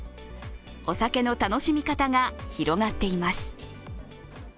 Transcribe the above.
お酒の楽しみ方が広がっています。